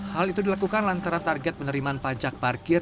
hal itu dilakukan lantaran target penerimaan pajak parkir